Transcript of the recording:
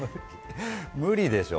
無理でしょ！